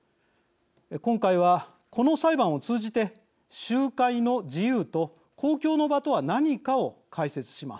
今回はこの裁判を通じて集会の自由と公共の場とは何かを解説します。